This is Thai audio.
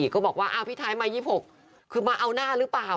ก็บอกว่าพี่ไทยมา๒๖คือมาเอาหน้าหรือเปล่า